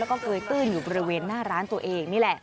แล้วก็เกยตื้นอยู่บริเวณหน้าร้านตัวเองนี่แหละ